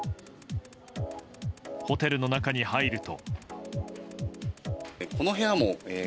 ホテルの中に入ると。